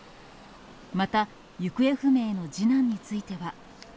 また、行方不明の次男については。